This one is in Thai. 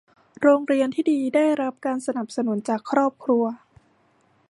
โรงเรียนที่ดีได้รับการสนับสนุนจากครอบครัว